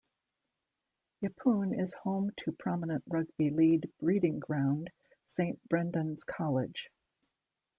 Yeppoon is home to prominent Rugby league breeding ground Saint Brendan's College.